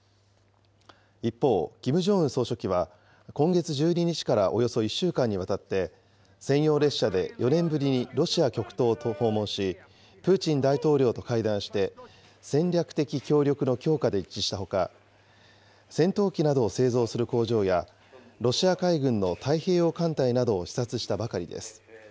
一方、キム・ジョンウン総書記は、今月１２日からおよそ１週間にわたって、専用列車で４年ぶりにロシア極東を訪問し、プーチン大統領と会談して、戦略的協力の強化で一致したほか、戦闘機などを製造する工場や、ロシア海軍の太平洋艦隊などを視察したばかりです。